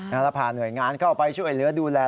แล้วพาหน่วยงานเข้าไปช่วยเหลือดูแล